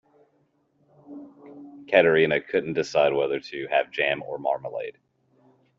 Katerina couldn't decide whether to have jam or marmalade.